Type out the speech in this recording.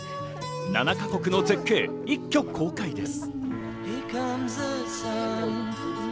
７か国の絶景、一挙公開です。